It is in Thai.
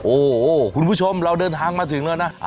โอ้โหคุณผู้ชมเราเดินทางมาถึงแล้วนะ